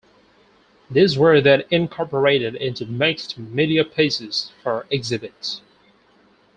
These were then incorporated into mixed media pieces for exhibit.